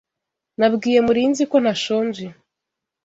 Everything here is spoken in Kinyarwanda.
Nabwiye Murinzi ko ntashonje.